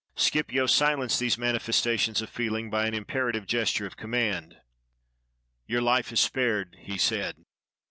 Scipio silenced these manifestations of feeling by an imperative gesture of command. "Your Hfe is spared," he said.